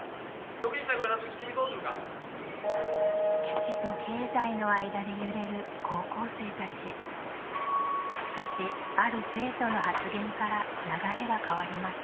基地と経済の間で揺れる高校生たちしかしある生徒の発言から流れが変わります